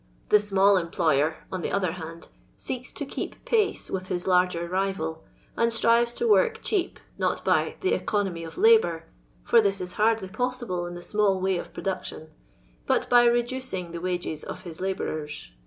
The Mnail employer, on the other band, seeks to keep pace with his lirger rival, and strives to work cheap, not by " the economy of labour" (for this is hardly possible in the small way of production), but by reducing the wages of his labourers.